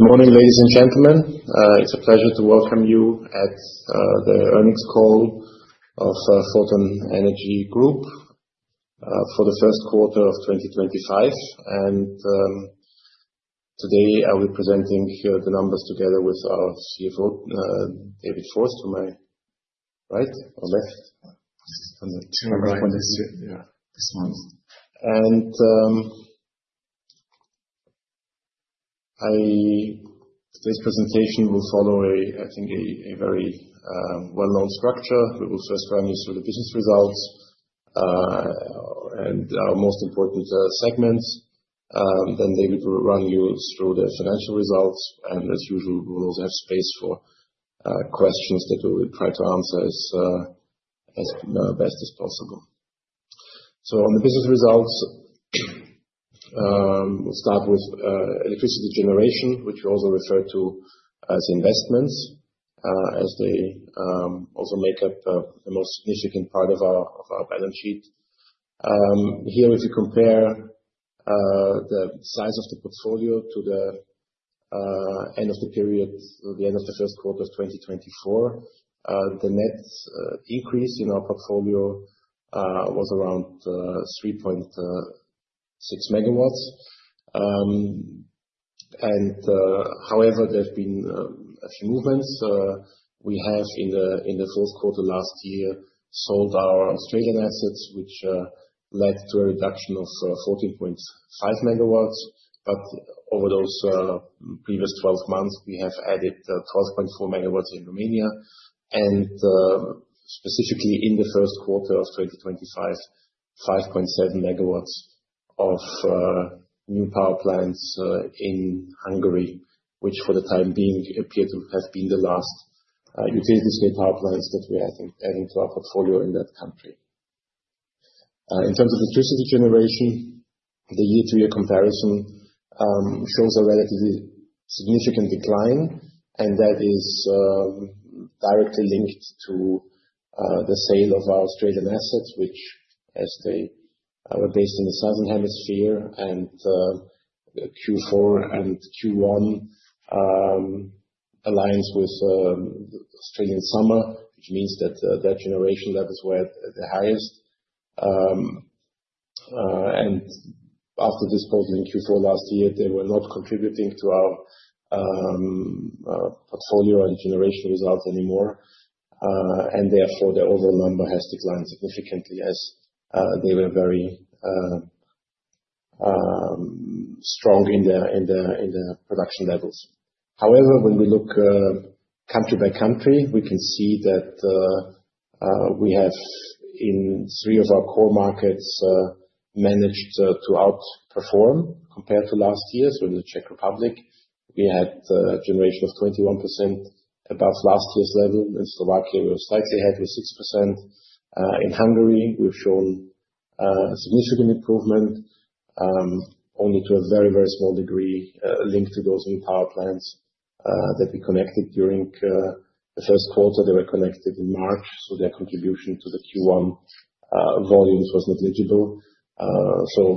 Good morning, ladies and gentlemen. It's a pleasure to welcome you at the earnings call of Photon Energy Group for the first quarter of 2025. Today I'll be presenting the numbers together with our CFO, David Forth, to my right or left. Yeah, this one. Today's presentation will follow, I think, a very well-known structure. We will first run you through the business results and our most important segments. Then David will run you through the financial results. As usual, we'll also have space for questions that we will try to answer as best as possible. On the business results, we'll start with electricity generation, which we also refer to as investments, as they also make up the most significant part of our balance sheet. Here, if you compare the size of the portfolio to the end of the period, the end of the first quarter of 2024, the net increase in our portfolio was around 3.6 MW. However, there have been a few movements. We have, in the fourth quarter last year, sold our Australian assets, which led to a reduction of 14.5 MW. Over those previous 12 months, we have added 12.4 MW in Romania. Specifically, in the first quarter of 2025, 5.7 MW of new power plants in Hungary, which for the time being appear to have been the last utility-scale power plants that we're adding to our portfolio in that country. In terms of electricity generation, the year-to-year comparison shows a relatively significant decline, and that is directly linked to the sale of our Australian assets, which, as they were based in the southern hemisphere, and Q4 and Q1 aligns with Australian summer, which means that their generation levels were at the highest. After disposing in Q4 last year, they were not contributing to our portfolio and generation results anymore. Therefore, the overall number has declined significantly as they were very strong in the production levels. However, when we look country by country, we can see that we have, in three of our core markets, managed to outperform compared to last year. In the Czech Republic, we had a generation of 21% above last year's level. In Slovakia, we were slightly ahead with 6%. In Hungary, we've shown a significant improvement, only to a very, very small degree linked to those new power plants that we connected during the first quarter. They were connected in March, so their contribution to the Q1 volumes was negligible.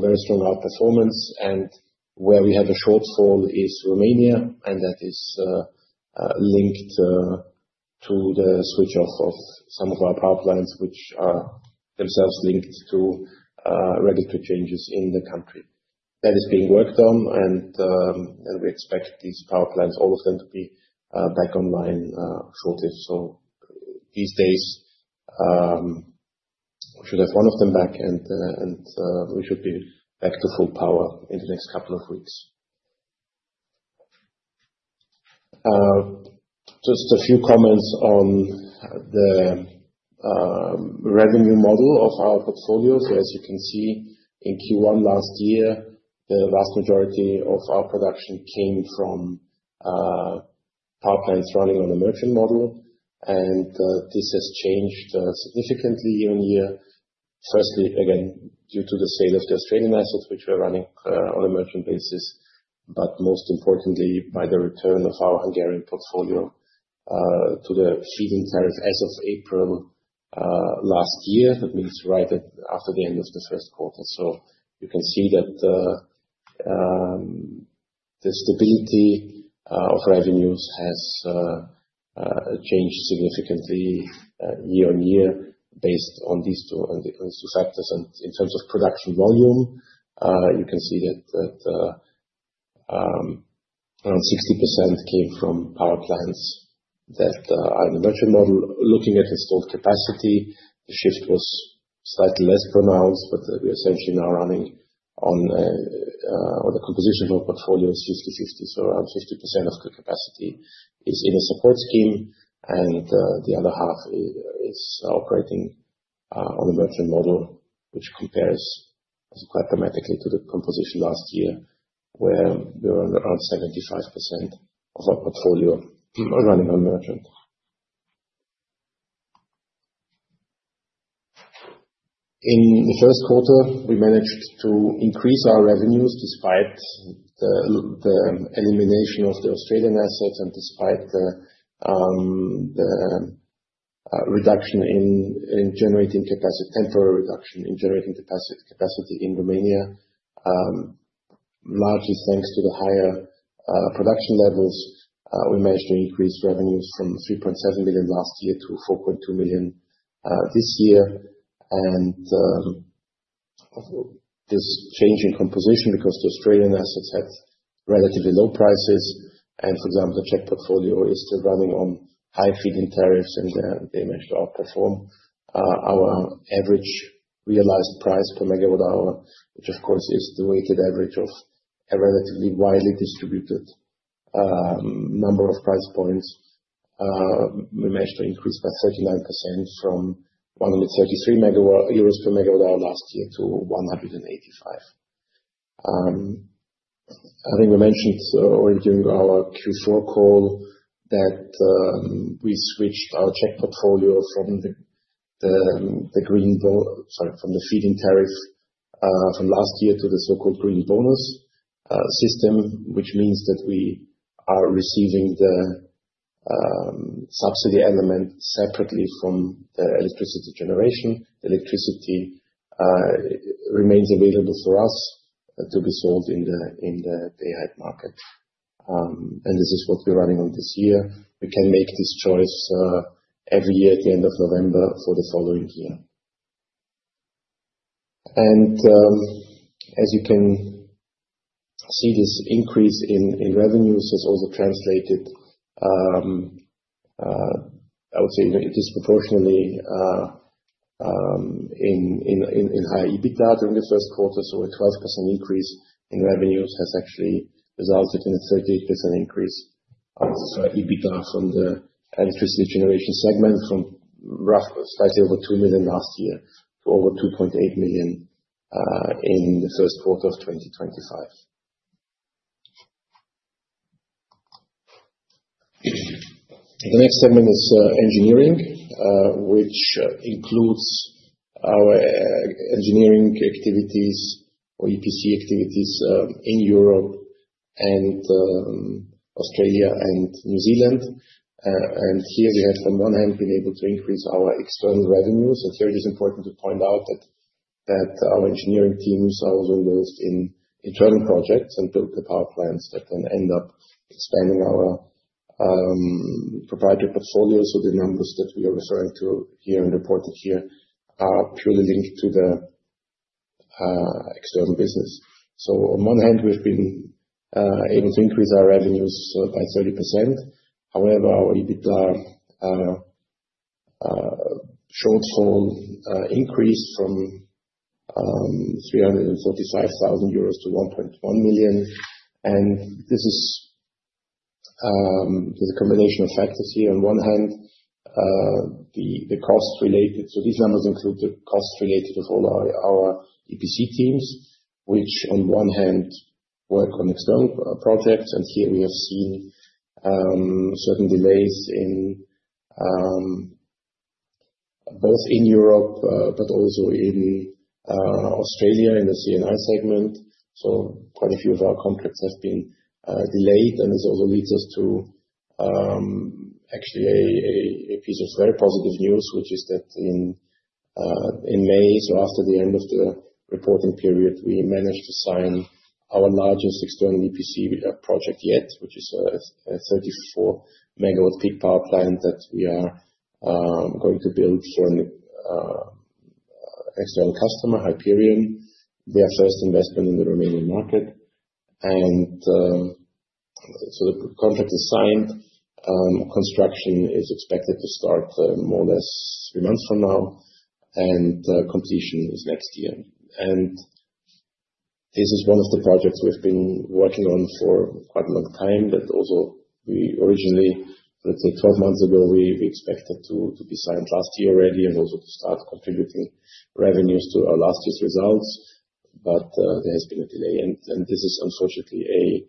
Very strong outperformance. Where we have a shortfall is Romania, and that is linked to the switch off of some of our power plants, which are themselves linked to regulatory changes in the country. That is being worked on, and we expect these power plants, all of them, to be back online shortly. These days, we should have one of them back, and we should be back to full power in the next couple of weeks. Just a few comments on the revenue model of our portfolio. As you can see, in Q1 last year, the vast majority of our production came from power plants running on the merchant model. This has changed significantly year on year, firstly, again, due to the sale of the Australian assets, which were running on a merchant basis, but most importantly, by the return of our Hungarian portfolio to the feed-in tariff as of April last year. That means right after the end of the first quarter. You can see that the stability of revenues has changed significantly year-on-year based on these two factors. In terms of production volume, you can see that around 60% came from power plants that are in the merchant model. Looking at installed capacity, the shift was slightly less pronounced, but we're essentially now running on the composition of our portfolio is 50/50. Around 50% of the capacity is in a support scheme, and the other half is operating on a merchant model, which compares quite dramatically to the composition last year, where we were around 75% of our portfolio running on merchant. In the first quarter, we managed to increase our revenues despite the elimination of the Australian assets and despite the temporary reduction in generating capacity in Romania, largely thanks to the higher production levels. We managed to increase revenues from 3.7 million last year to 4.2 million this year. This change in composition, because the Australian assets had relatively low prices, and for example, the Czech portfolio is still running on high feed-in tariffs, and they managed to outperform our average realized price per megawatt hour, which, of course, is the weighted average of a relatively widely distributed number of price points. We managed to increase by 39% from 133 euros per MWh last year to 185. I think we mentioned already during our Q4 call that we switched our Czech portfolio from the feed-in tariff from last year to the so-called green bonus system, which means that we are receiving the subsidy element separately from the electricity generation. Electricity remains available for us to be sold in the daylight market. This is what we're running on this year. We can make this choice every year at the end of November for the following year. As you can see, this increase in revenues has also translated, I would say, disproportionately in higher EBITDA during the first quarter. A 12% increase in revenues has actually resulted in a 38% increase of EBITDA from the electricity generation segment, from slightly over 2 million last year to over 2.8 million in the first quarter of 2025. The next segment is engineering, which includes our engineering activities or EPC activities in Europe and Australia and New Zealand. Here we have, on one hand, been able to increase our external revenues. Here it is important to point out that our engineering teams are also involved in internal projects and built the power plants that then end up expanding our proprietary portfolio. The numbers that we are referring to here and reported here are purely linked to the external business. On one hand, we've been able to increase our revenues by 30%. However, our EBITDA shortfall increased from 345,000 euros to 1.1 million. This is a combination of factors here. On one hand, the cost-related, so these numbers include the cost-related of all our EPC teams, which on one hand work on external projects. Here we have seen certain delays both in Europe but also in Australia in the CNI segment. Quite a few of our contracts have been delayed. This also leads us to actually a piece of very positive news, which is that in May, after the end of the reporting period, we managed to sign our largest external EPC project yet, which is a 34 MW peak power plant that we are going to build for an external customer, Hyperion. They are first investment in the Romanian market. The contract is signed. Construction is expected to start more or less three months from now, and completion is next year. This is one of the projects we have been working on for quite a long time, that also we originally, let's say, 12 months ago, expected to be signed last year already and also to start contributing revenues to last year's results. There has been a delay. This is unfortunately a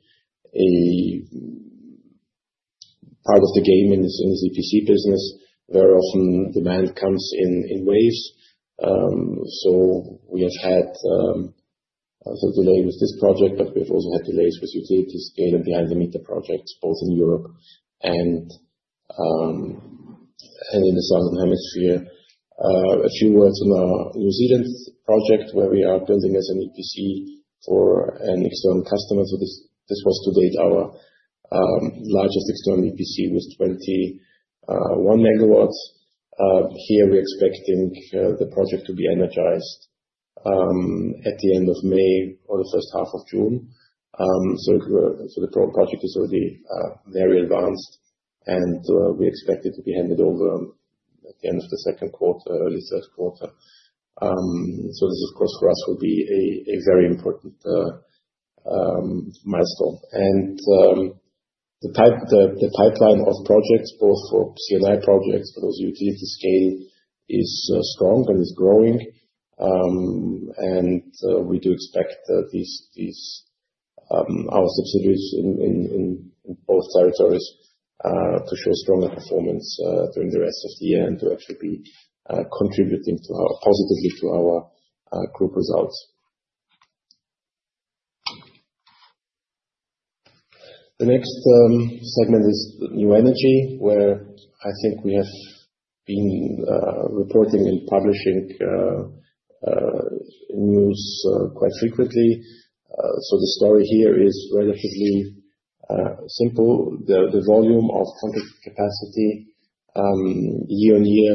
part of the game in the EPC business. Very often, demand comes in waves. We have had some delay with this project, but we have also had delays with utilities behind the meter projects, both in Europe and in the southern hemisphere. A few words on our New Zealand project, where we are building as an EPC for an external customer. This was to date our largest external EPC with 21 MW. Here, we are expecting the project to be energized at the end of May or the first half of June. The project is already very advanced, and we expect it to be handed over at the end of the second quarter, early third quarter. This, of course, for us will be a very important milestone. The pipeline of projects, both for CNI projects but also utility scale, is strong and is growing. We do expect our subsidiaries in both territories to show stronger performance during the rest of the year and to actually be contributing positively to our group results. The next segment is new energy, where I think we have been reporting and publishing news quite frequently. The story here is relatively simple. The volume of contract capacity year on year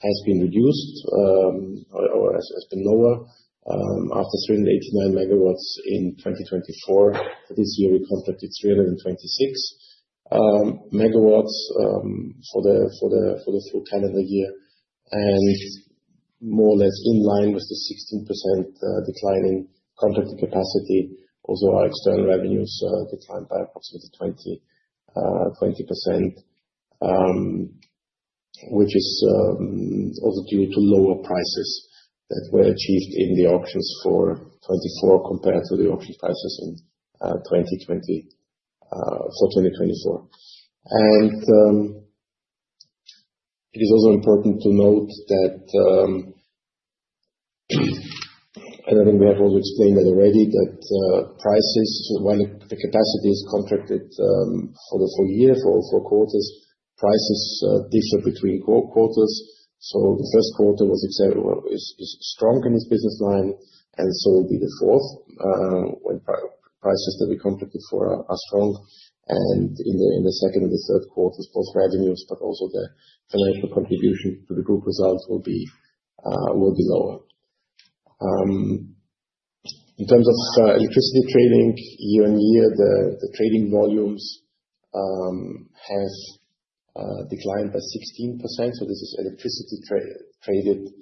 has been reduced or has been lower after 389 MW in 2024. This year, we contracted 326 MW for the full calendar year. More or less in line with the 16% declining contracted capacity, also our external revenues declined by approximately 20%, which is also due to lower prices that were achieved in the auctions for 2024 compared to the auction prices for 2024. It is also important to note that, and I think we have also explained that already, prices, while the capacity is contracted for the full year, for four quarters, differ between quarters. The first quarter is strong in this business line, and so will be the fourth when prices that we contracted for are strong. In the second and the third quarters, both revenues but also the financial contribution to the group results will be lower. In terms of electricity trading, year on year, the trading volumes have declined by 16%. This is electricity traded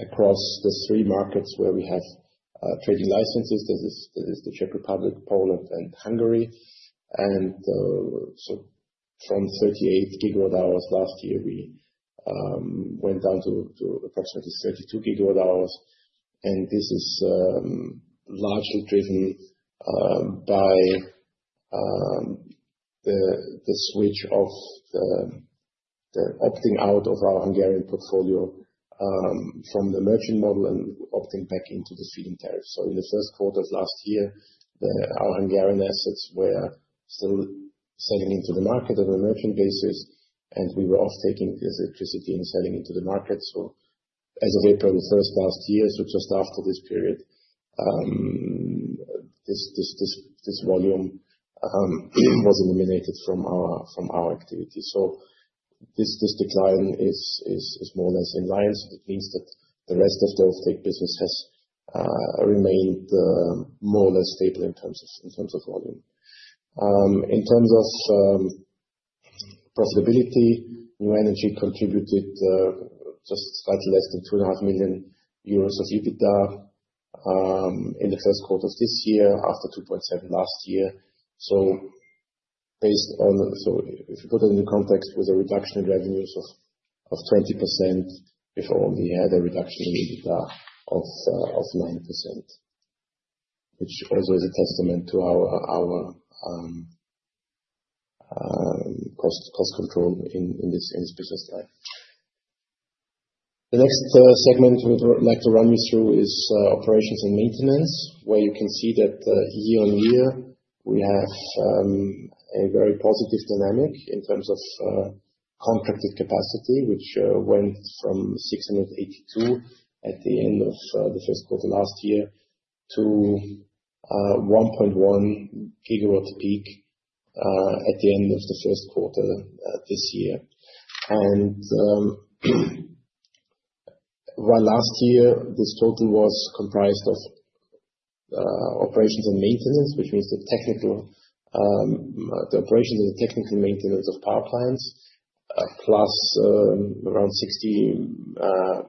across the three markets where we have trading licenses. That is the Czech Republic, Poland, and Hungary. From 38 GWh last year, we went down to approximately 32 GWh. This is largely driven by the switch of the opting out of our Hungarian portfolio from the merchant model and opting back into the feed-in tariff. In the first quarter of last year, our Hungarian assets were still selling into the market on a merchant basis, and we were off-taking this electricity and selling into the market. As of April 1st, last year, just after this period, this volume was eliminated from our activity. This decline is more or less in line. That means that the rest of the off-take business has remained more or less stable in terms of volume. In terms of profitability, new energy contributed just slightly less than 2.5 million euros of EBITDA in the first quarter of this year after 2.7 million last year. If you put it into context with a reduction in revenues of 20%, we've only had a reduction in EBITDA of 9%, which also is a testament to our cost control in this business line. The next segment we'd like to run you through is operations and maintenance, where you can see that year-on-year, we have a very positive dynamic in terms of contracted capacity, which went from 682 at the end of the first quarter last year to 1.1 GW peak at the end of the first quarter this year. While last year, this total was comprised of operations and maintenance, which means the operations and the technical maintenance of power plants, plus around 60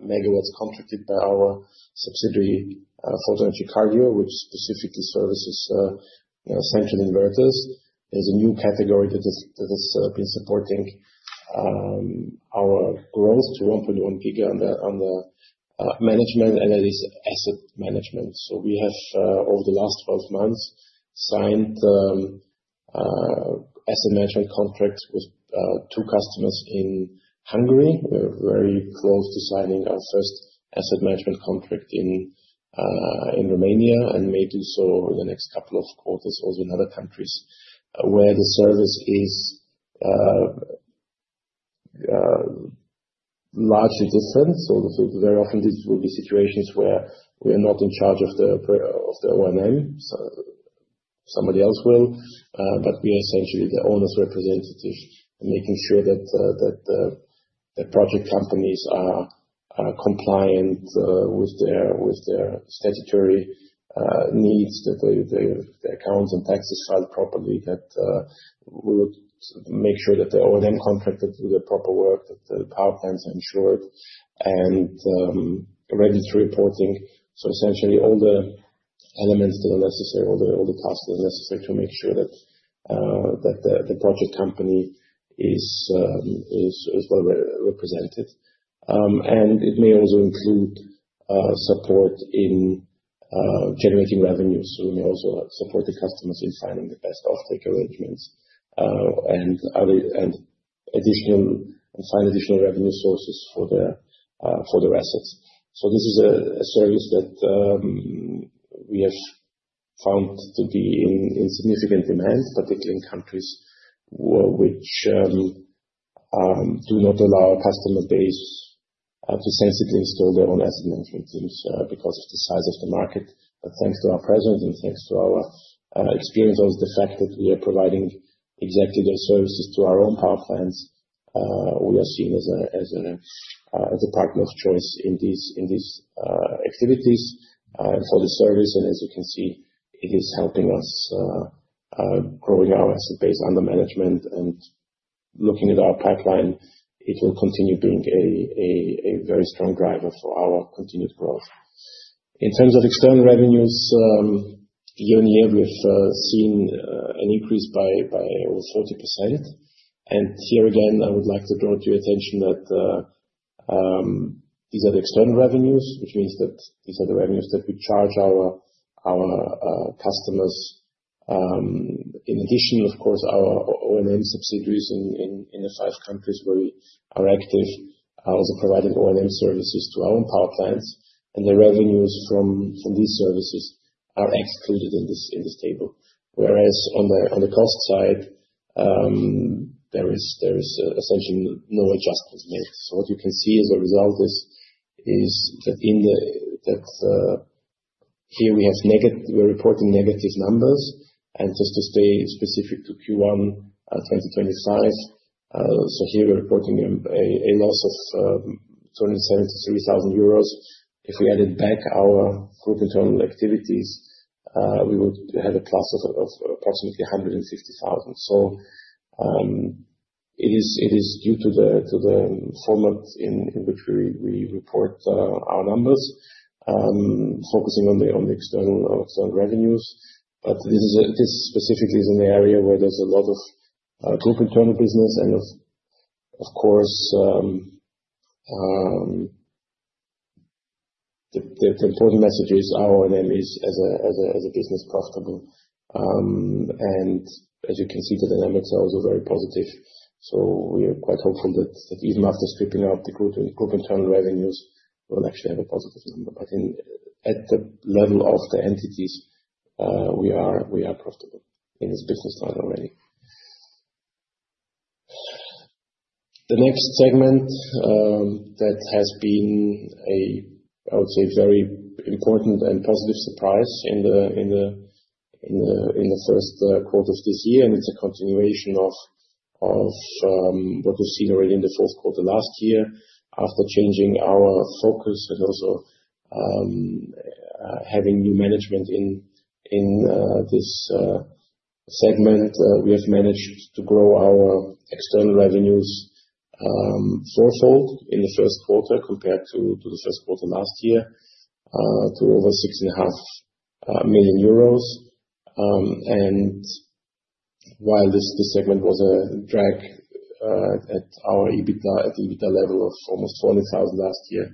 MW contracted by our subsidiary, Photon Energy Cargill, which specifically services central inverters. There's a new category that has been supporting our growth to 1.1 gig on the management, and that is asset management. We have, over the last 12 months, signed asset management contracts with two customers in Hungary. We're very close to signing our first asset management contract in Romania and may do so over the next couple of quarters or in other countries where the service is largely different. Very often, these will be situations where we are not in charge of the O&M. Somebody else will. We are essentially the owner's representative, making sure that the project companies are compliant with their statutory needs, that the accounts and taxes are filed properly, that we would make sure that the O&M contracted do their proper work, that the power plants are insured and ready to reporting. Essentially, all the elements that are necessary, all the tasks that are necessary to make sure that the project company is well represented. It may also include support in generating revenues. We may also support the customers in finding the best off-take arrangements and find additional revenue sources for their assets. This is a service that we have found to be in significant demand, particularly in countries which do not allow a customer base to sensibly install their own asset management teams because of the size of the market. Thanks to our presence and thanks to our experience, also the fact that we are providing exactly those services to our own power plants, we are seen as a partner of choice in these activities for the service. As you can see, it is helping us growing our asset base under management and looking at our pipeline. It will continue being a very strong driver for our continued growth. In terms of external revenues, year on year, we have seen an increase by over 30%. Here again, I would like to draw to your attention that these are the external revenues, which means that these are the revenues that we charge our customers. In addition, of course, our O&M subsidiaries in the five countries where we are active are also providing O&M services to our own power plants. The revenues from these services are excluded in this table. Whereas on the cost side, there is essentially no adjustment made. What you can see as a result is that here we are reporting negative numbers. Just to stay specific to Q1 2025, here we are reporting a loss of 273,000 euros. If we added back our group internal activities, we would have a plus of approximately 150,000. It is due to the format in which we report our numbers, focusing on the external revenues. This specifically is in the area where there is a lot of group internal business. The important message is our O&M is as a business profitable. As you can see, the dynamics are also very positive. We are quite hopeful that even after stripping out the group internal revenues, we will actually have a positive number. At the level of the entities, we are profitable in this business line already. The next segment that has been, I would say, a very important and positive surprise in the first quarter of this year. It is a continuation of what we've seen already in the fourth quarter last year. After changing our focus and also having new management in this segment, we have managed to grow our external revenues fourfold in the first quarter compared to the first quarter last year to over 6.5 million euros. While this segment was a drag at our EBITDA level of almost 400,000 last year,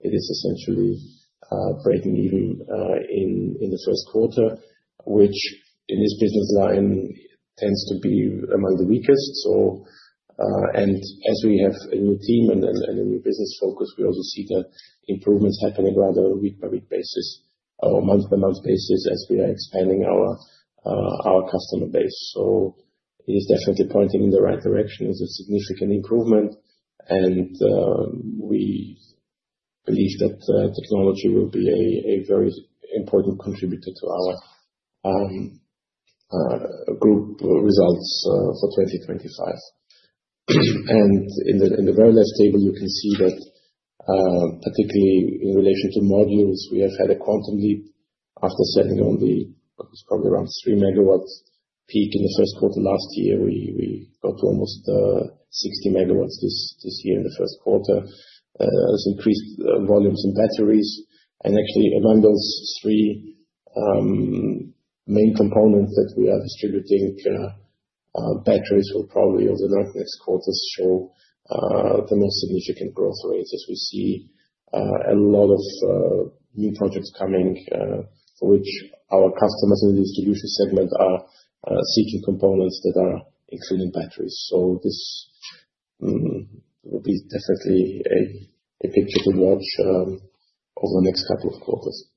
it is essentially breaking even in the first quarter, which in this business line tends to be among the weakest. As we have a new team and a new business focus, we also see the improvements happening rather on a week-by-week basis or month-by-month basis as we are expanding our customer base. It is definitely pointing in the right direction. It is a significant improvement. We believe that technology will be a very important contributor to our group results for 2025. In the very last table, you can see that particularly in relation to modules, we have had a quantum leap after selling only, it was probably around 3 MW peak in the first quarter last year. We got to almost 60 MW this year in the first quarter. There is increased volumes in batteries. Actually, among those three main components that we are distributing, batteries will probably over the next quarters show the most significant growth rates as we see a lot of new projects coming for which our customers in the distribution segment are seeking components that are including batteries. This will be definitely a picture to watch over the next couple of quarters.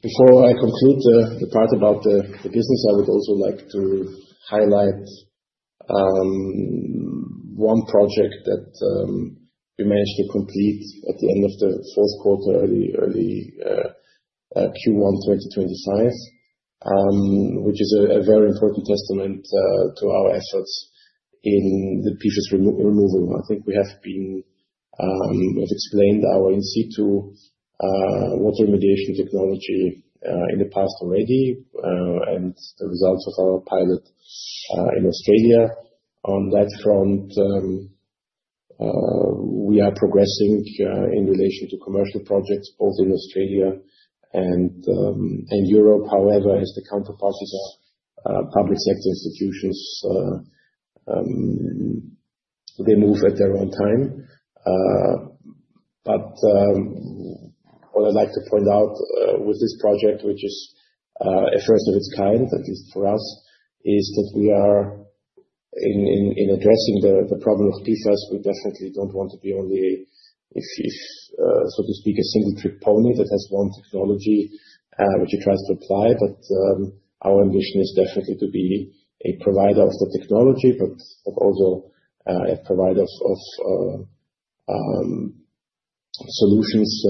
Before I conclude the part about the business, I would also like to highlight one project that we managed to complete at the end of the fourth quarter, early Q1 2025, which is a very important testament to our efforts in the PFAS removal. I think we have explained our in-situ water remediation technology in the past already and the results of our pilot in Australia. On that front, we are progressing in relation to commercial projects both in Australia and Europe. However, as the counterpart is our public sector institutions, they move at their own time. What I'd like to point out with this project, which is a first of its kind, at least for us, is that we are in addressing the problem of PFAS. We definitely don't want to be only, so to speak, a single-trick pony that has one technology which it tries to apply. Our ambition is definitely to be a provider of the technology, but also a provider of solutions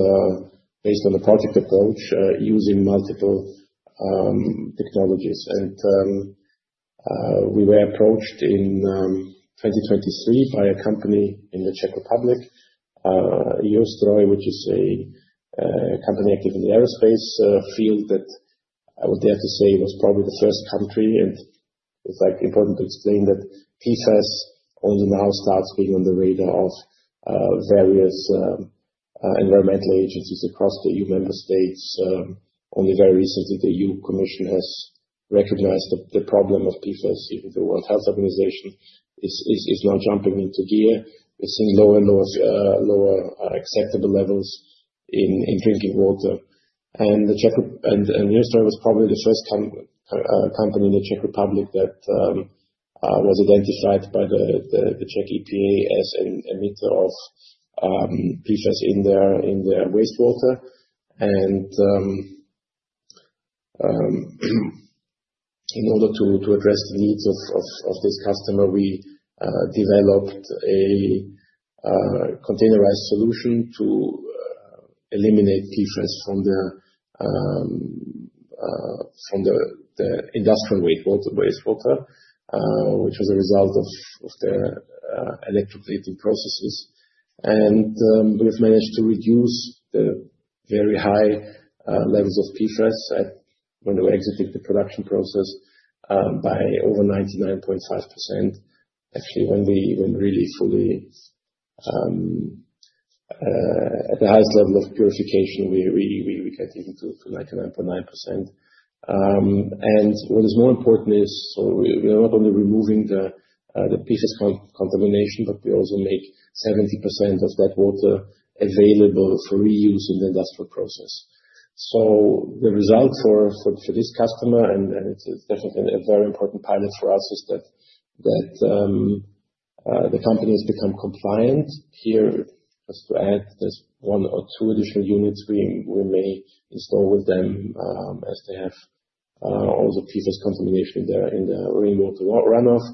based on a project approach using multiple technologies. We were approached in 2023 by a company in the Czech Republic, Eurostroj, which is a company active in the aerospace field that I would dare to say was probably the first country. It's important to explain that PFAS only now starts being on the radar of various environmental agencies across the EU member states. Only very recently, the EU Commission has recognized the problem of PFAS. The World Health Organization is now jumping into gear. We're seeing lower and lower acceptable levels in drinking water. Eurostroj was probably the first company in the Czech Republic that was identified by the Czech EPA as an emitter of PFAS in their wastewater. In order to address the needs of this customer, we developed a containerized solution to eliminate PFAS from the industrial wastewater, which was a result of the electrically heating processes. We have managed to reduce the very high levels of PFAS when we exited the production process by over 99.5%. Actually, when we really fully at the highest level of purification, we get even to 99.9%. What is more important is, we are not only removing the PFAS contamination, but we also make 70% of that water available for reuse in the industrial process. The result for this customer, and it is definitely a very important pilot for us, is that the company has become compliant. Here, just to add, there's one or two additional units we may install with them as they have all the PFAS contamination in the rainwater runoff.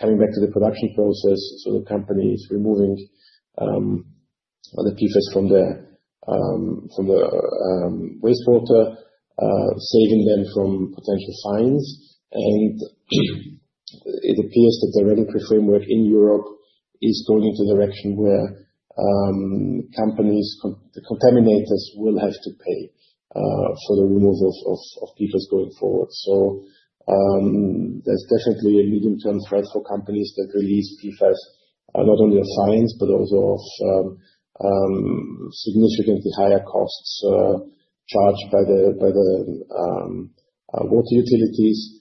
Coming back to the production process, the company is removing the PFAS from the wastewater, saving them from potential fines. It appears that the regulatory framework in Europe is going in the direction where companies, the contaminators, will have to pay for the removal of PFAS going forward. There is definitely a medium-term threat for companies that release PFAS, not only of fines, but also of significantly higher costs charged by the water utilities.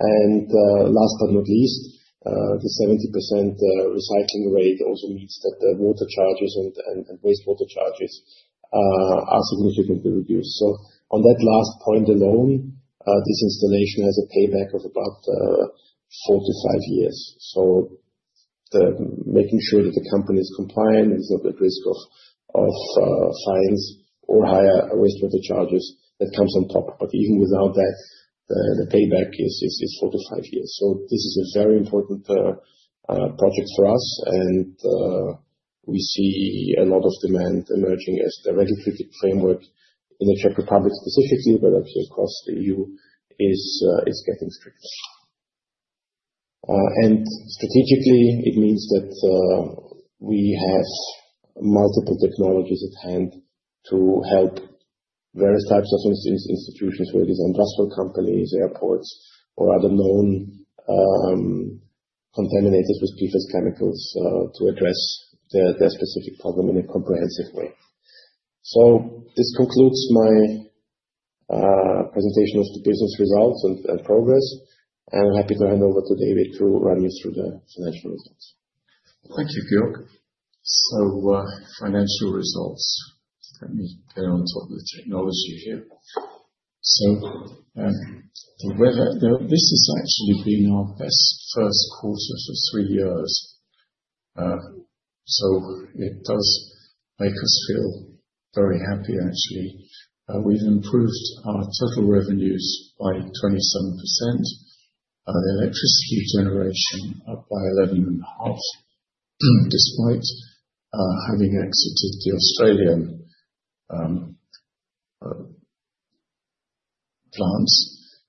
Last but not least, the 70% recycling rate also means that the water charges and wastewater charges are significantly reduced. On that last point alone, this installation has a payback of about four to five years. Making sure that the company is compliant and is not at risk of fines or higher wastewater charges, that comes on top. Even without that, the payback is four to five years. This is a very important project for us. We see a lot of demand emerging as the regulatory framework in the Czech Republic specifically, but actually across the EU, is getting stricter. Strategically, it means that we have multiple technologies at hand to help various types of institutions, whether it is industrial companies, airports, or other known contaminators with PFAS chemicals to address their specific problem in a comprehensive way. This concludes my presentation of the business results and progress. I'm happy to hand over to David to run you through the financial results. Thank you, Georg. Financial results. Let me get on top of the technology here. This has actually been our best first quarter for three years. It does make us feel very happy, actually. We have improved our total revenues by 27%. The electricity generation up by 11.5%. Despite having exited the Australian plants,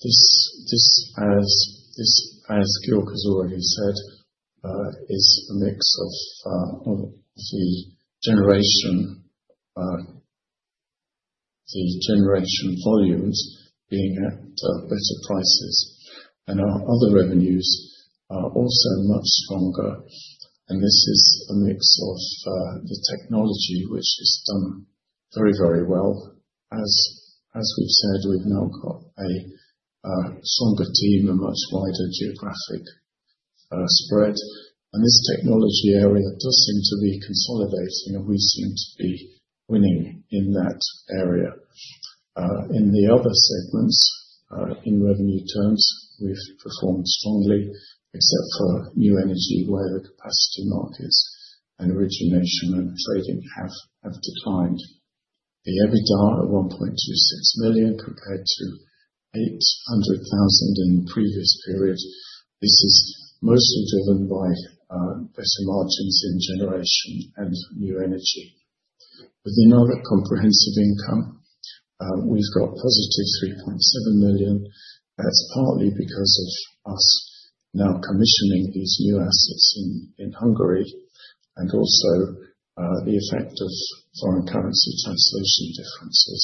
this, as Georg has already said, is a mix of the generation volumes being at better prices. Our other revenues are also much stronger. This is a mix of the technology, which has done very, very well. As we have said, we have now got a stronger team, a much wider geographic spread. This technology area does seem to be consolidating, and we seem to be winning in that area. In the other segments, in revenue terms, we have performed strongly, except for new energy, where the capacity markets and origination and trading have declined. The EBITDA at 1.26 million compared to EUR 800,000 in the previous period. This is mostly driven by better margins in generation and new energy. Within our comprehensive income, we've got positive 3.7 million. That's partly because of us now commissioning these new assets in Hungary and also the effect of foreign currency translation differences.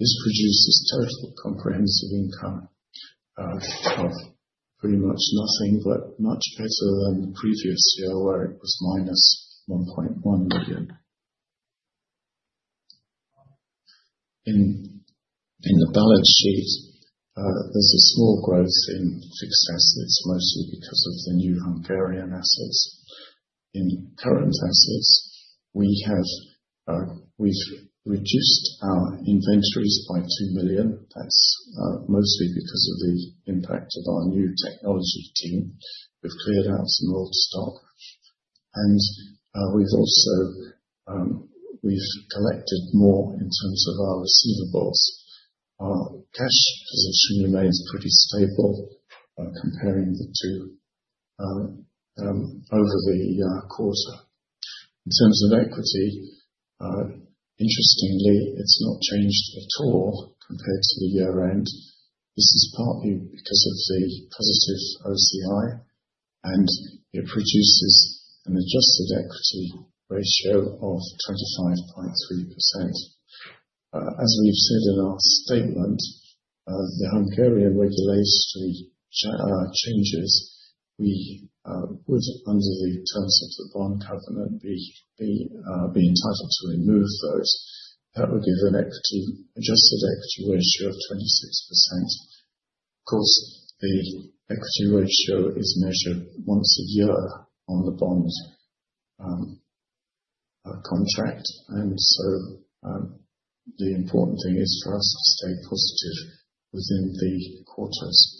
This produces total comprehensive income of pretty much nothing, but much better than previous year, where it was minus 1.1 million. In the balance sheet, there's a small growth in fixed assets, mostly because of the new Hungarian assets. In current assets, we've reduced our inventories by 2 million. That's mostly because of the impact of our new technology team. We've cleared out some old stock. And we've collected more in terms of our receivables. Our cash position remains pretty stable comparing the two over the quarter. In terms of equity, interestingly, it's not changed at all compared to the year-end. This is partly because of the positive OCI, and it produces an Adjusted equity ratio of 25.3%. As we've said in our statement, the Hungarian regulatory changes, we would, under the terms of the bond covenant, be entitled to remove those. That would give an Adjusted equity ratio of 26%. Of course, the equity ratio is measured once a year on the bond contract. The important thing is for us to stay positive within the quarters.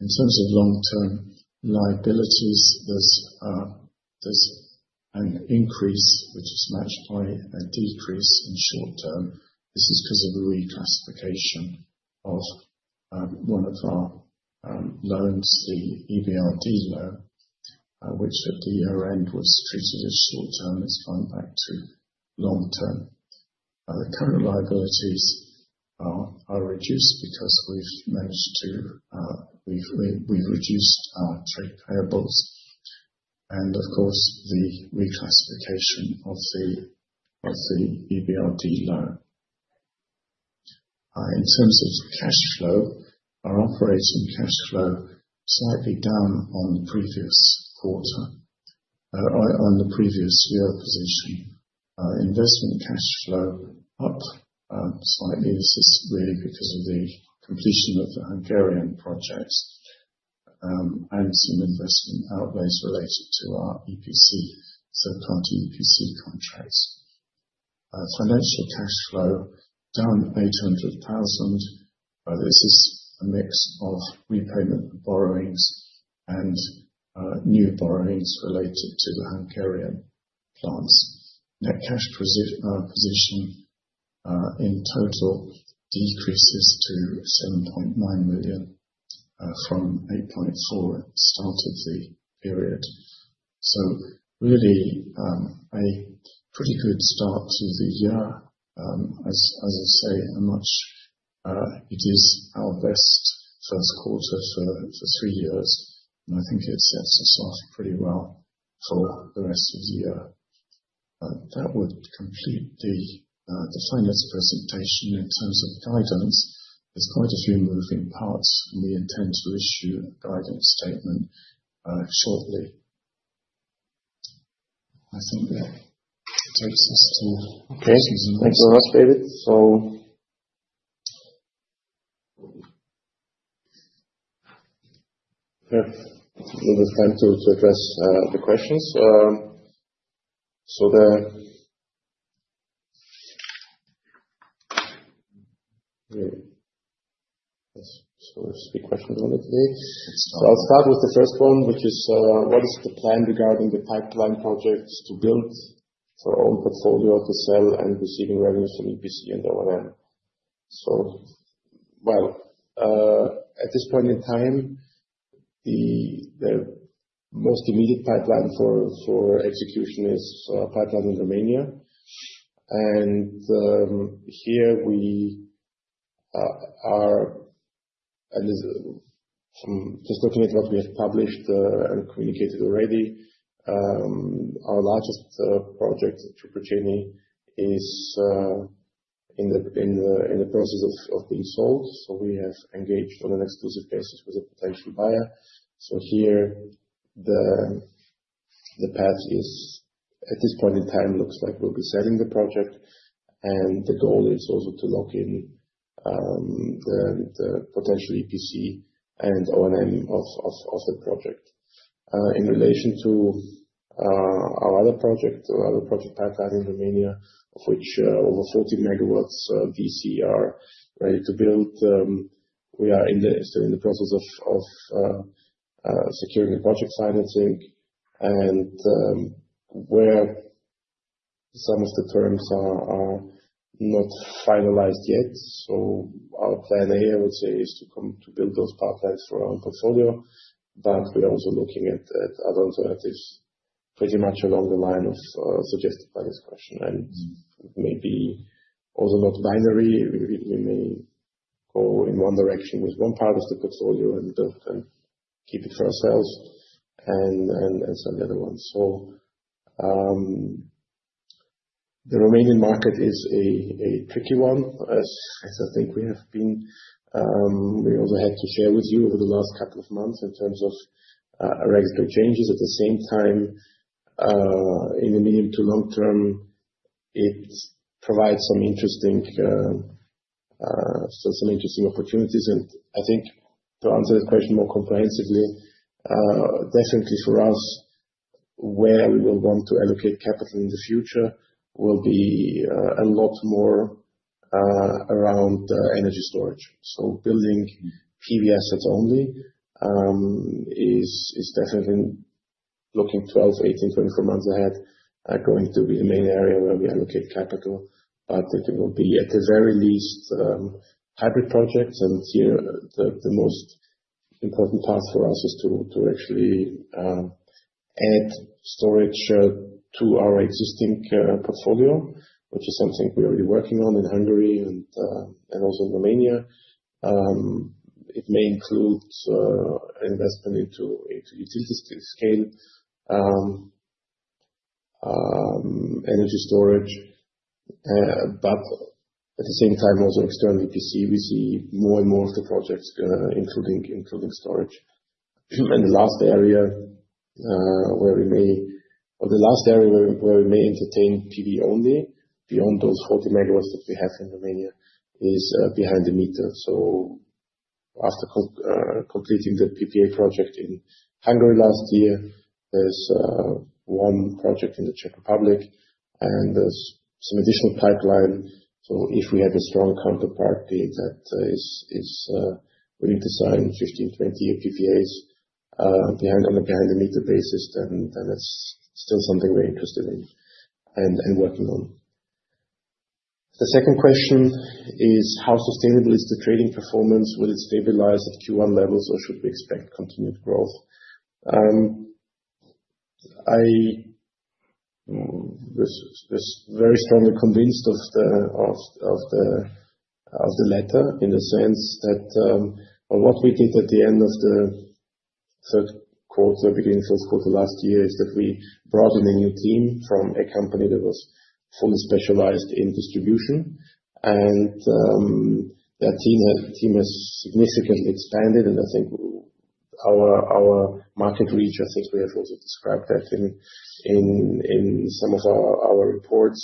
In terms of long-term liabilities, there's an increase, which is matched by a decrease in short-term. This is because of a reclassification of one of our loans, the EBRD loan, which at the year-end was treated as short-term. It's gone back to long-term. The current liabilities are reduced because we've reduced our trade payables. Of course, the reclassification of the EBRD loan. In terms of cash flow, our operating cash flow is slightly down on the previous quarter, on the previous year position. Investment cash flow up slightly. This is really because of the completion of the Hungarian projects and some investment outlays related to our EPC, subcontinent EPC contracts. Financial cash flow down 800,000. This is a mix of repayment borrowings and new borrowings related to the Hungarian plants. Net cash position in total decreases to 7.9 million from 8.4 million at the start of the period. Really a pretty good start to the year. As I say, it is our best first quarter for three years. I think it sets us off pretty well for the rest of the year. That would complete the finance presentation. In terms of guidance, there are quite a few moving parts, and we intend to issue a guidance statement shortly. I think that takes us to the questions. Thanks very much, David. A little bit of time to address the questions. There are a few questions on it today. I'll start with the first one, which is, what is the plan regarding the pipeline projects to build for our own portfolio to sell and receiving revenues from EPC and O&M? At this point in time, the most immediate pipeline for execution is a pipeline in Romania. Here we are, and just looking at what we have published and communicated already, our largest project, Ciuperceni, is in the process of being sold. We have engaged on an exclusive basis with a potential buyer. Here, the path is, at this point in time, it looks like we'll be selling the project. The goal is also to lock in the potential EPC and O&M of the project. In relation to our other project, our other project pipeline in Romania, of which over 40 MW VC are ready to build, we are still in the process of securing the project financing, and where some of the terms are not finalized yet. Our plan A, I would say, is to build those pipelines for our own portfolio. We are also looking at other alternatives pretty much along the line suggested by this question, and maybe also not binary. We may go in one direction with one part of the portfolio and keep it for ourselves and sell the other one. The Romanian market is a tricky one, as I think we have been. We also had to share with you over the last couple of months in terms of regulatory changes. At the same time, in the medium to long term, it provides some interesting opportunities. I think to answer the question more comprehensively, definitely for us, where we will want to allocate capital in the future will be a lot more around energy storage. Building PV assets only is definitely looking 12-18-24 months ahead going to be the main area where we allocate capital. It will be, at the very least, hybrid projects. Here, the most important part for us is to actually add storage to our existing portfolio, which is something we're already working on in Hungary and also in Romania. It may include investment into utility scale, energy storage. At the same time, also external EPC, we see more and more of the projects including storage. The last area where we may entertain PV only beyond those 40 MW that we have in Romania is behind the meter. After completing the PPA project in Hungary last year, there is one project in the Czech Republic, and there is some additional pipeline. If we have a strong counterparty that is willing to sign 15-20 PPAs on a behind the meter basis, then that is still something we are interested in and working on. The second question is, how sustainable is the trading performance? Will it stabilize at Q1 levels, or should we expect continued growth? I was very strongly convinced of the letter in the sense that what we did at the end of the third quarter, beginning of the fourth quarter last year, is that we brought in a new team from a company that was fully specialized in distribution. That team has significantly expanded. I think our market reach, I think we have also described that in some of our reports.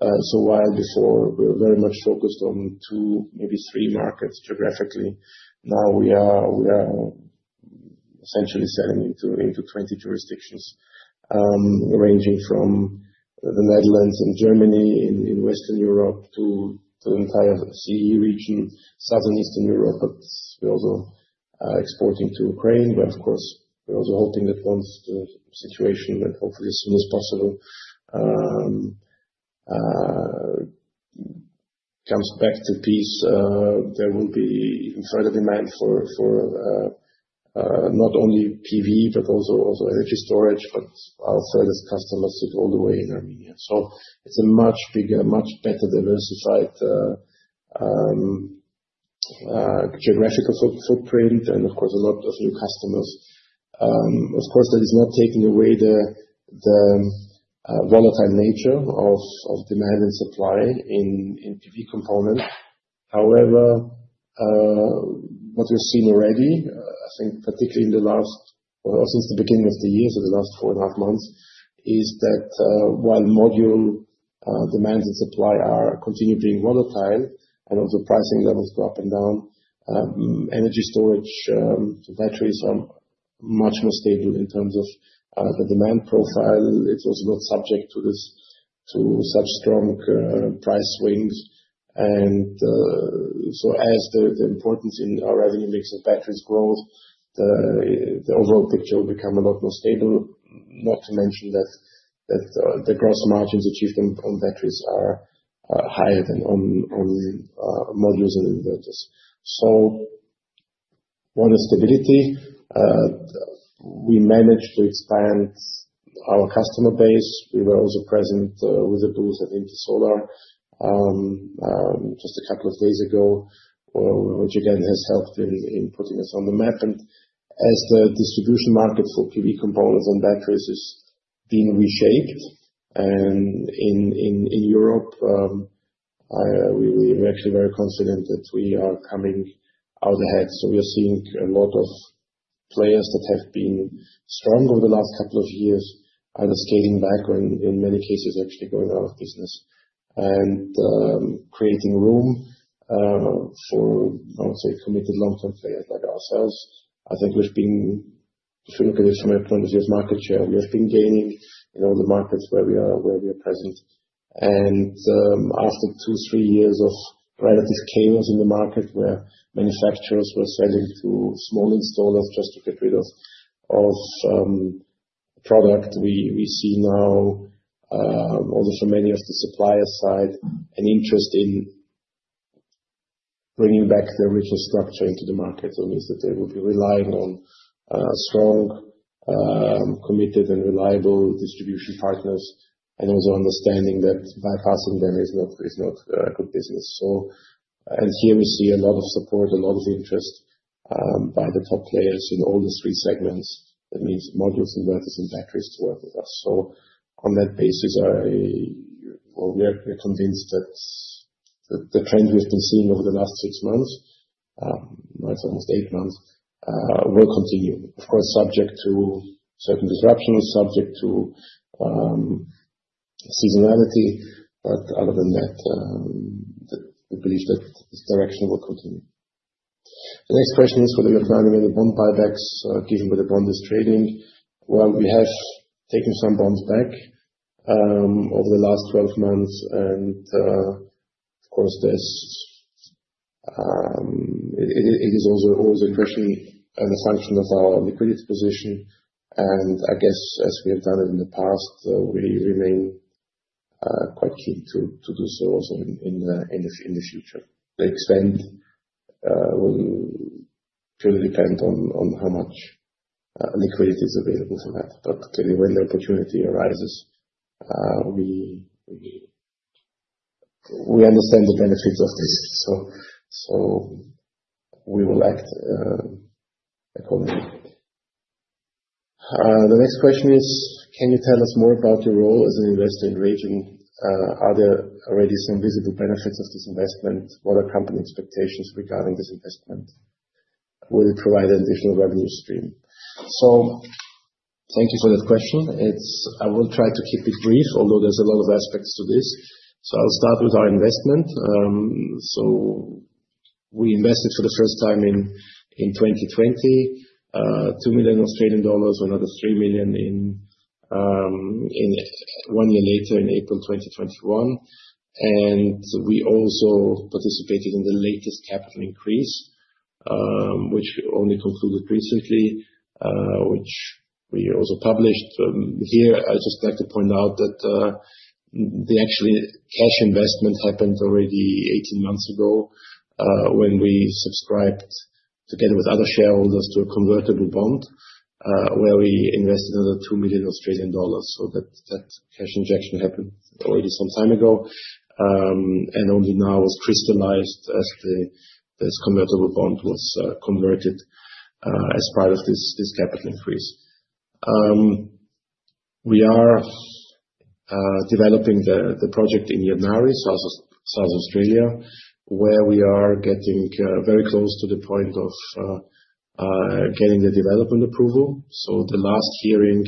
While before we were very much focused on two, maybe three markets geographically, now we are essentially selling into 20 jurisdictions ranging from the Netherlands and Germany in Western Europe to the entire CE region, southern Eastern Europe. We are also exporting to Ukraine. Of course, we are also hoping that once the situation, and hopefully as soon as possible, comes back to peace, there will be even further demand for not only PV, but also energy storage. Our furthest customers sit all the way in Romania. It is a much bigger, much better diversified geographical footprint and, of course, a lot of new customers. Of course, that is not taking away the volatile nature of demand and supply in PV components. However, what we have seen already, I think particularly in the last, or since the beginning of the year, so the last four and a half months, is that while module demand and supply continue being volatile and also pricing levels go up and down, energy storage batteries are much more stable in terms of the demand profile. It is also not subject to such strong price swings. As the importance in our revenue mix of batteries grows, the overall picture will become a lot more stable, not to mention that the gross margins achieved on batteries are higher than on modules and inverters. What is stability? We managed to expand our customer base. We were also present with a booth at Intersolar just a couple of days ago, which again has helped in putting us on the map. As the distribution market for PV components and batteries is being reshaped in Europe, we're actually very confident that we are coming out ahead. We are seeing a lot of players that have been strong over the last couple of years either scaling back or, in many cases, actually going out of business and creating room for, I would say, committed long-term players like ourselves. I think we've been, if you look at it from a point of view of market share, we have been gaining in all the markets where we are present. After two, three years of relative chaos in the market where manufacturers were selling to small installers just to get rid of product, we see now, also from many of the supplier side, an interest in bringing back the rigid structure into the market. That means that they will be relying on strong, committed, and reliable distribution partners and also understanding that bypassing them is not a good business. Here we see a lot of support, a lot of interest by the top players in all the three segments. That means modules, inverters, and batteries to work with us. On that basis, we're convinced that the trend we've been seeing over the last six months, now it's almost eight months, will continue. Of course, subject to certain disruptions, subject to seasonality. Other than that, we believe that this direction will continue. The next question is, whether you're finding any bond buybacks given where the bond is trading. We have taken some bonds back over the last 12 months. Of course, it is also always a question and a function of our liquidity position. I guess, as we have done it in the past, we remain quite keen to do so also in the future. The extent will purely depend on how much liquidity is available for that. Clearly, when the opportunity arises, we understand the benefits of this. We will act accordingly. The next question is, can you tell us more about your role as an investor in RayGen? Are there already some visible benefits of this investment? What are company expectations regarding this investment? Will it provide an additional revenue stream? Thank you for that question. I will try to keep it brief, although there's a lot of aspects to this. I'll start with our investment. We invested for the first time in 2020, 2 million Australian dollars, another 3 million one year later, in April 2021. We also participated in the latest capital increase, which only concluded recently, which we also published here. I just like to point out that the actual cash investment happened already 18 months ago when we subscribed together with other shareholders to a convertible bond where we invested another 2 million Australian dollars. That cash injection happened already some time ago. Only now it was crystallized as this convertible bond was converted as part of this capital increase. We are developing the project in Yadnari, South Australia, where we are getting very close to the point of getting the development approval. The last hearing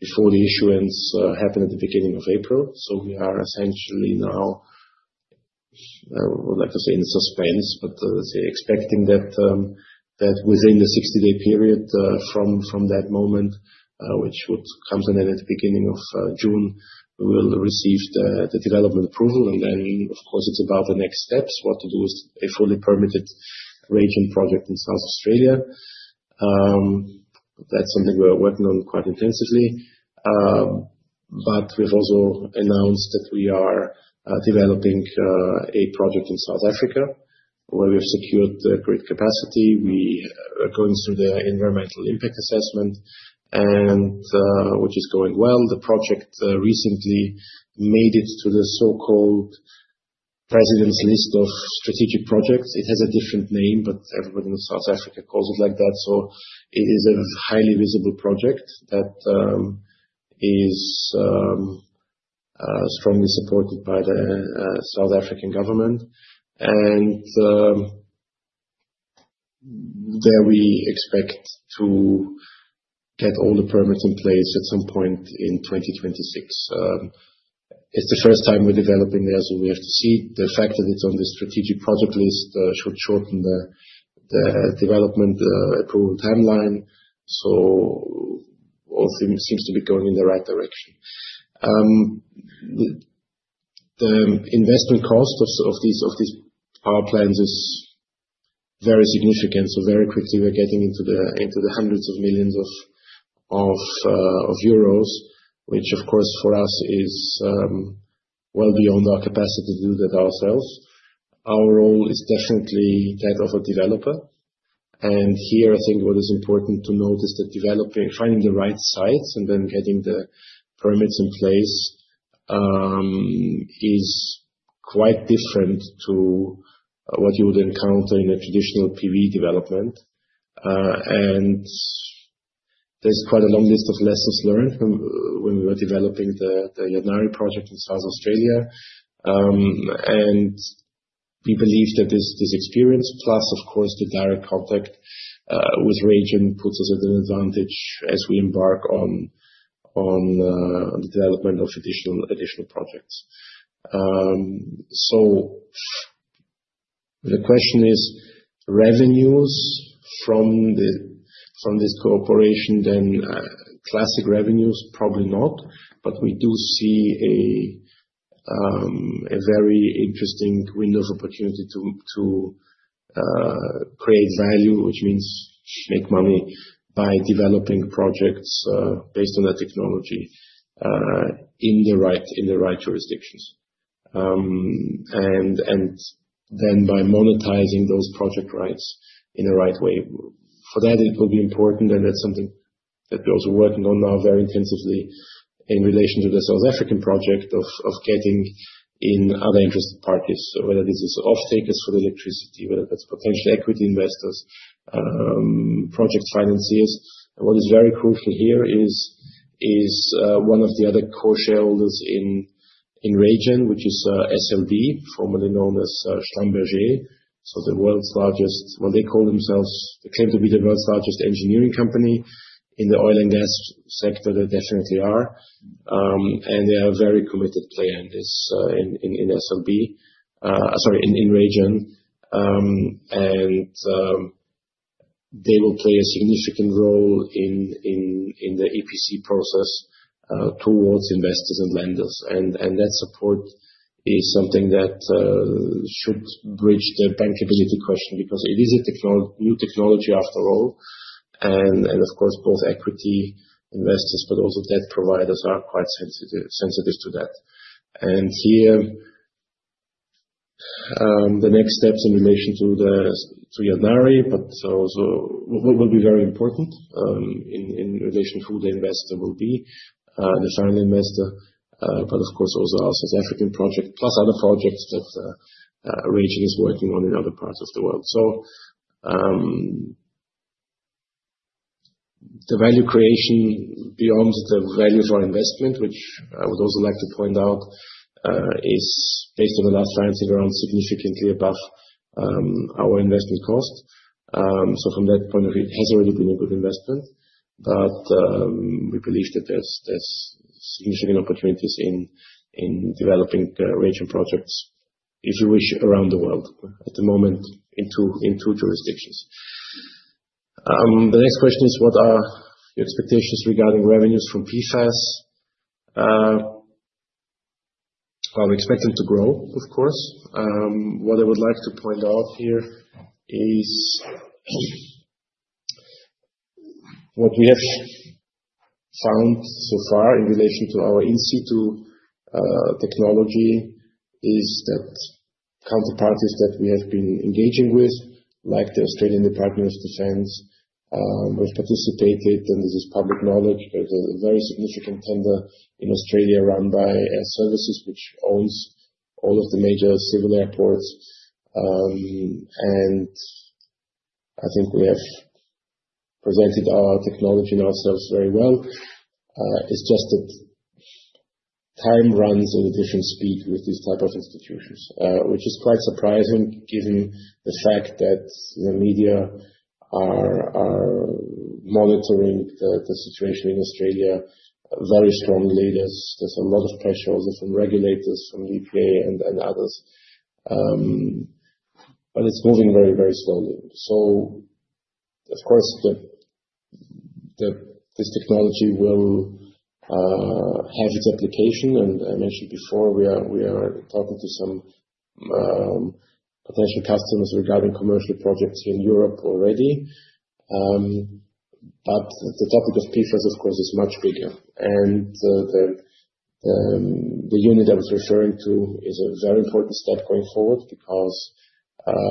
before the issuance happened at the beginning of April. We are essentially now, I would like to say, in suspense, but expecting that within the 60-day period from that moment, which would come to an end at the beginning of June, we will receive the development approval. Of course, it is about the next steps, what to do with a fully permitted RayGen project in South Australia. That is something we are working on quite intensively. We have also announced that we are developing a project in South Africa where we have secured grid capacity. We are going through the environmental impact assessment, which is going well. The project recently made it to the so-called President's List of Strategic Projects. It has a different name, but everybody in South Africa calls it like that. It is a highly visible project that is strongly supported by the South African government. There we expect to get all the permits in place at some point in 2026. It is the first time we are developing there, so we have to see. The fact that it is on the strategic project list should shorten the development approval timeline. All seems to be going in the right direction. The investment cost of these power plants is very significant. Very quickly, we are getting into the hundreds of millions of euros, which, of course, for us is well beyond our capacity to do that ourselves. Our role is definitely that of a developer. Here, I think what is important to note is that finding the right sites and then getting the permits in place is quite different to what you would encounter in a traditional PV development. There is quite a long list of lessons learned when we were developing the Yadnari project in South Australia. We believe that this experience, plus, of course, the direct contact with RayGen, puts us at an advantage as we embark on the development of additional projects. The question is, revenues from this cooperation, then classic revenues, probably not. We do see a very interesting window of opportunity to create value, which means make money by developing projects based on that technology in the right jurisdictions, and then by monetizing those project rights in the right way. For that, it will be important. That is something that we are also working on now very intensively in relation to the South African project of getting in other interested parties, whether this is off-takers for the electricity, potential equity investors, or project financiers. What is very crucial here is one of the other core shareholders in RayGen, which is SLB, formerly known as Schlumberger. They are the world's largest—well, they claim to be the world's largest engineering company. In the oil and gas sector, they definitely are. They are a very committed player in SLB—sorry, in RayGen. They will play a significant role in the EPC process towards investors and lenders. That support is something that should bridge the bankability question because it is a new technology after all. Of course, both equity investors, but also debt providers are quite sensitive to that. Here, the next steps in relation to Yadnari will be very important in relation to who the investor will be, the final investor, but of course, also our South African project, plus other projects that RayGen is working on in other parts of the world. The value creation beyond the value of our investment, which I would also like to point out, is based on the last financing round, significantly above our investment cost. From that point of view, it has already been a good investment. We believe that there's significant opportunities in developing RayGen projects, if you wish, around the world at the moment in two jurisdictions. The next question is, what are your expectations regarding revenues from PFAS? We expect them to grow, of course. What I would like to point out here is what we have found so far in relation to our in-situ technology is that counterparties that we have been engaging with, like the Australian Department of Defense, we've participated. And this is public knowledge. There is a very significant tender in Australia run by Air Services, which owns all of the major civil airports. I think we have presented our technology and ourselves very well. It's just that time runs at a different speed with these types of institutions, which is quite surprising given the fact that the media are monitoring the situation in Australia very strongly. There is a lot of pressure, also from regulators, from the EPA and others. It is moving very, very slowly. Of course, this technology will have its application. I mentioned before, we are talking to some potential customers regarding commercial projects in Europe already. The topic of PFAS, of course, is much bigger. The unit I was referring to is a very important step going forward because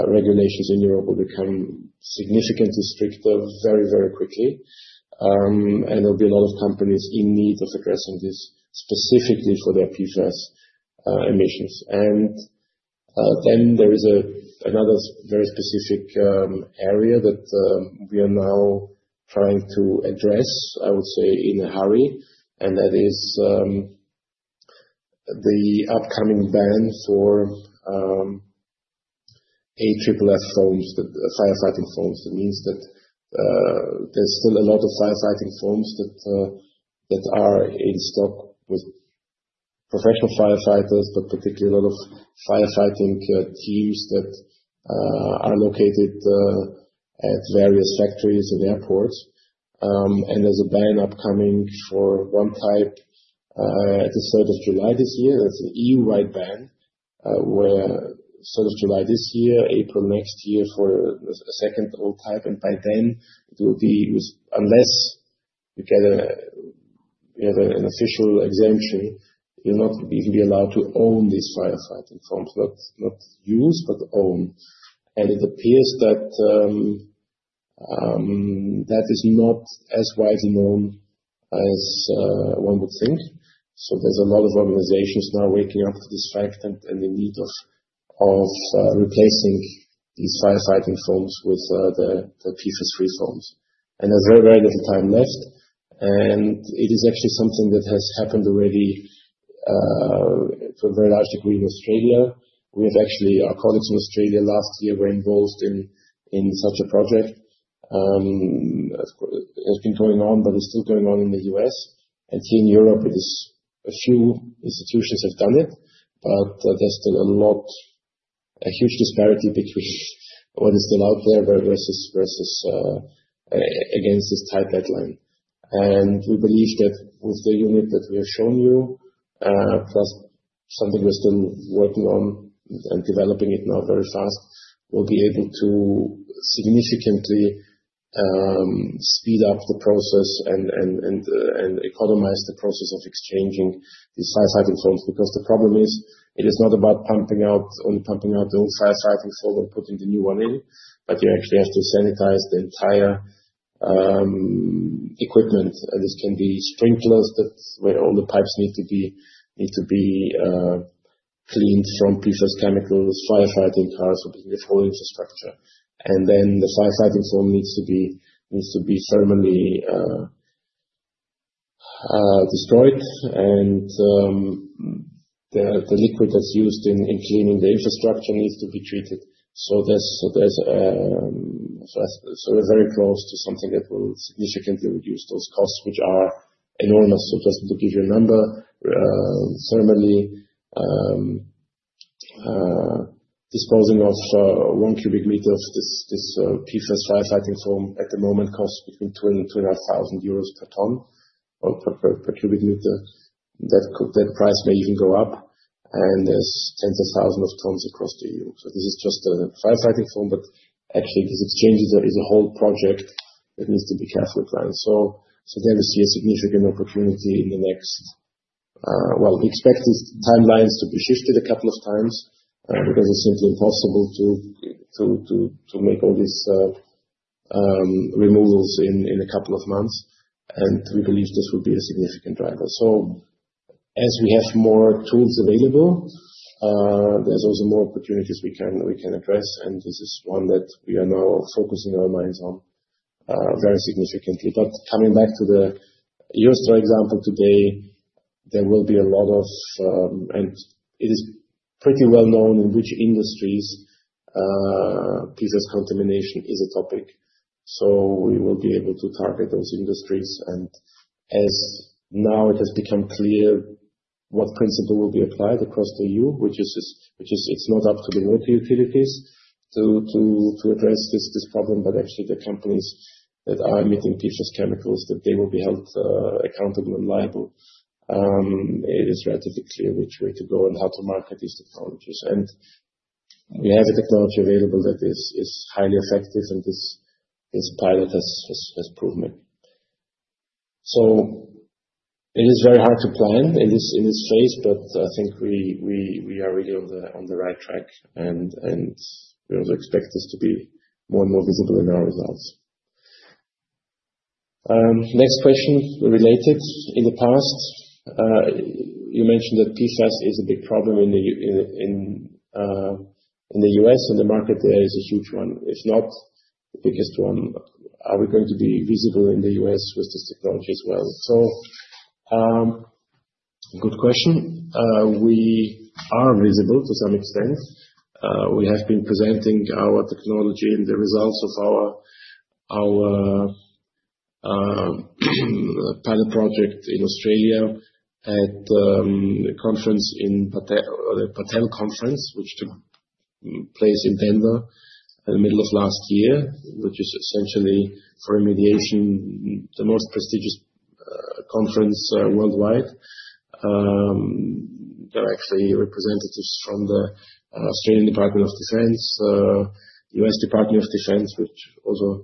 regulations in Europe will become significantly stricter very, very quickly. There will be a lot of companies in need of addressing this specifically for their PFAS emissions. There is another very specific area that we are now trying to address, I would say, in a hurry. That is the upcoming ban for AFFF firefighting foams. That means that there are still a lot of firefighting foams that are in stock with professional firefighters, but particularly a lot of firefighting teams that are located at various factories and airports. There is a ban upcoming for one type at the 3rd of July this year. That's an EU-wide ban where 3rd of July this year, April next year for a second old type. By then, unless you get an official exemption, you'll not even be allowed to own these firefighting foams, not use, but own. It appears that that is not as widely known as one would think. There are a lot of organizations now waking up to this fact and in need of replacing these firefighting foams with the PFAS-free foams. There is very, very little time left. It is actually something that has happened already to a very large degree in Australia. Our colleagues in Australia last year were involved in such a project. It's been going on, but it's still going on in the U.S. Here in Europe, a few institutions have done it. There is still a huge disparity between what is still out there versus against this tight deadline. We believe that with the unit that we have shown you, plus something we're still working on and developing now very fast, we'll be able to significantly speed up the process and economize the process of exchanging these firefighting foams. The problem is, it is not about only pumping out the old firefighting foam and putting the new one in, but you actually have to sanitize the entire equipment. This can be sprinklers where all the pipes need to be cleaned from PFAS chemicals, firefighting cars, or even the whole infrastructure. The firefighting foam needs to be thermally destroyed. The liquid that's used in cleaning the infrastructure needs to be treated. We are very close to something that will significantly reduce those costs, which are enormous. Just to give you a number, thermally disposing of one cubic meter of this PFAS firefighting foam at the moment costs between 2,000-2,500 euros per ton or per cubic meter. That price may even go up. There are tens of thousands of tons across the EU. This is just a firefighting foam, but actually, this exchange is a whole project that needs to be carefully planned. We see a significant opportunity in the next, well, we expect these timelines to be shifted a couple of times because it is simply impossible to make all these removals in a couple of months. We believe this will be a significant driver. As we have more tools available, there are also more opportunities we can address. This is one that we are now focusing our minds on very significantly. Coming back to the Eurostroj example today, there will be a lot of, and it is pretty well known in which industries PFAS contamination is a topic. We will be able to target those industries. As now it has become clear what principle will be applied across the EU, which is it's not up to the water utilities to address this problem, but actually the companies that are emitting PFAS chemicals, that they will be held accountable and liable. It is relatively clear which way to go and how to market these technologies. We have a technology available that is highly effective, and this pilot has proven it. It is very hard to plan in this phase, but I think we are really on the right track. We also expect this to be more and more visible in our results. Next question related. In the past, you mentioned that PFAS is a big problem in the U.S. In the market, there is a huge one. If not, the biggest one, are we going to be visible in the U.S. with this technology as well? Good question. We are visible to some extent. We have been presenting our technology and the results of our pilot project in Australia at the Battelle Conference, which took place in Denver in the middle of last year, which is essentially for remediation, the most prestigious conference worldwide. There are actually representatives from the Australian Department of Defense, U.S. Department of Defense, which also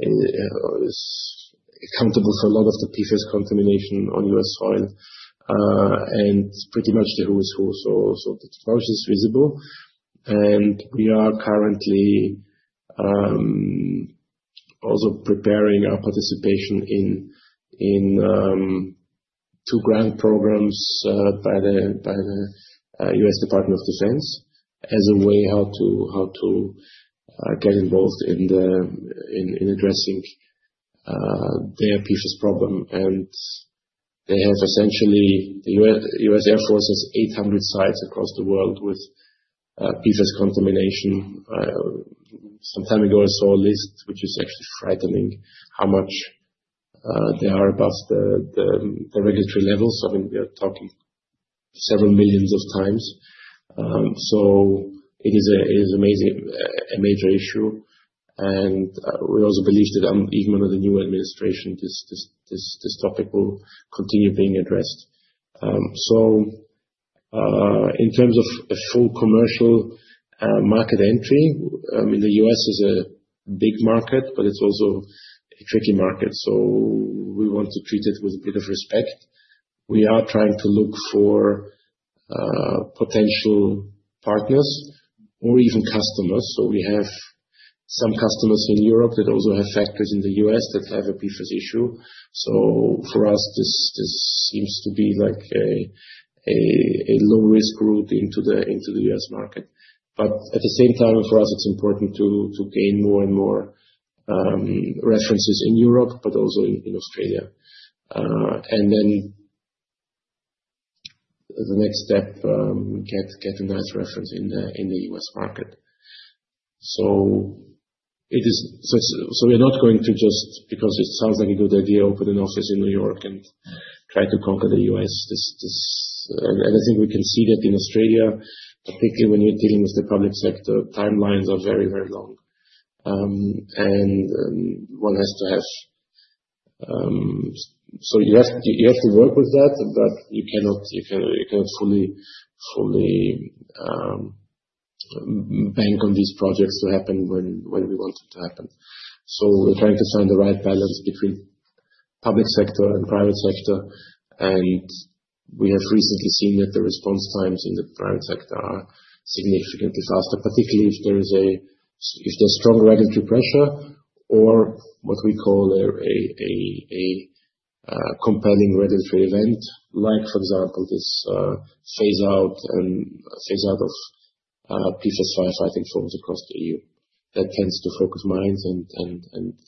is accountable for a lot of the PFAS contamination on U.S. soil. And pretty much the who is who. The technology is visible. We are currently also preparing our participation in two grant programs by the U.S. Department of Defense as a way to get involved in addressing their PFAS problem. The U.S. Air Force has 800 sites across the world with PFAS contamination. Some time ago, I saw a list, which is actually frightening, how much they are above the regulatory levels. I mean, we are talking several millions of times. It is a major issue. We also believe that even under the new administration, this topic will continue being addressed. In terms of a full commercial market entry, the U.S. is a big market, but it is also a tricky market. We want to treat it with a bit of respect. We are trying to look for potential partners or even customers. We have some customers in Europe that also have factories in the U.S. that have a PFAS issue. For us, this seems to be like a low-risk route into the U.S. market. At the same time, for us, it's important to gain more and more references in Europe, but also in Australia. The next step is to get a nice reference in the U.S. market. We're not going to just, because it sounds like a good idea, open an office in New York and try to conquer the U.S. I think we can see that in Australia, particularly when you're dealing with the public sector, timelines are very, very long. One has to work with that, but you cannot fully bank on these projects to happen when we want them to happen. We're trying to find the right balance between public sector and private sector. We have recently seen that the response times in the private sector are significantly faster, particularly if there's strong regulatory pressure or what we call a compelling regulatory event, like for example, this phase-out of PFAS firefighting foams across the EU. That tends to focus minds.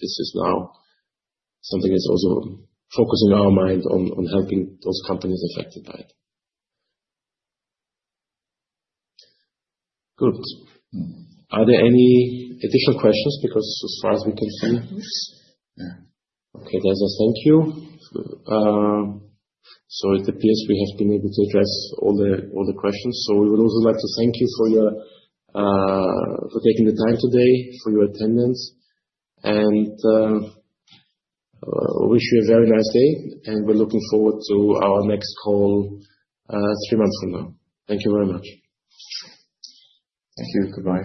This is now something that's also focusing our mind on helping those companies affected by it. Good. Are there any additional questions? Because as far as we can see—Oops. Yeah. Okay. There's a thank you. It appears we have been able to address all the questions. We would also like to thank you for taking the time today, for your attendance. We wish you a very nice day. We're looking forward to our next call three months from now. Thank you very much. Thank you. Goodbye.